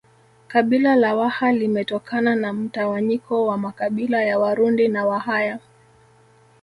Kabila la Waha limetokana na mtawanyiko wa makabila ya Warundi na Wahaya